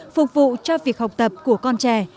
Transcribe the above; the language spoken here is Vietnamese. phục vụ cho việc học tập của con trẻ